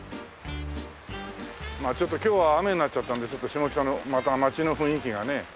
ちょっと今日は雨になっちゃったのでちょっと下北のまた街の雰囲気がね